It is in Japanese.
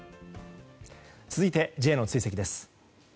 続いて、Ｊの追跡です。